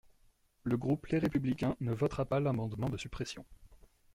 Le groupe Les Républicains ne votera pas l’amendement de suppression.